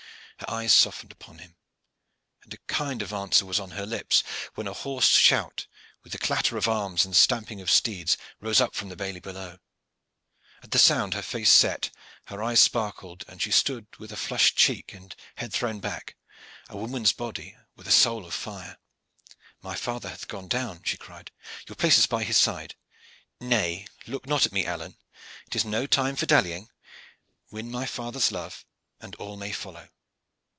Her eyes softened upon him, and a kind answer was on her lips, when a hoarse shout, with the clatter of arms and stamping of steeds, rose up from the bailey below. At the sound her face set her eyes sparkled, and she stood with flushed cheek and head thrown back a woman's body, with a soul of fire. "My father hath gone down," she cried. "Your place is by his side. Nay, look not at me, Alleyne. It is no time for dallying. Win my father's love, and all may follow.